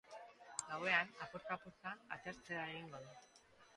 Gauean, apurka-apurka, atertzera egingo du.